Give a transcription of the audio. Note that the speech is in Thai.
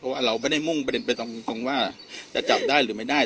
เพราะว่าเราไม่ได้มุ่งประเด็นไปตรงว่าจะจับได้หรือไม่ได้